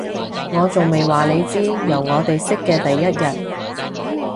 我仲未話你知，由我哋識嘅第一日